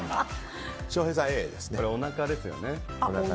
これ、おなかですよね。